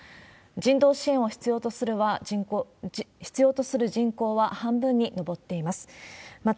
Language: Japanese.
人道支援を必要とする人口は半分に上っています。